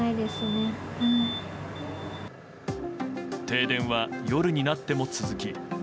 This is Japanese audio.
停電は夜になっても続き。